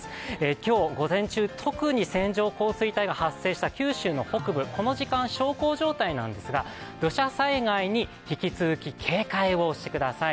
今日午前中、特に線状降水帯が発生した九州の北部、この時間、小康状態なんですが土砂災害に引き続き警戒をしてください。